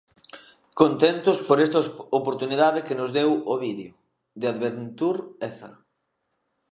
Contentos por esta oportunidade que nos deu Ovidio, de AdventurÉzaro.